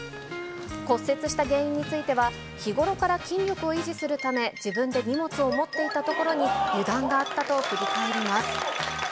骨折した原因については、日頃から筋力を維持するため、自分で荷物を持っていたところに油断があったと振り返ります。